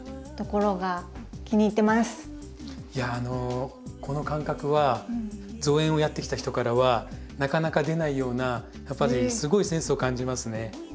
いやあのこの感覚は造園をやってきた人からはなかなか出ないようなやっぱりすごいセンスを感じますね。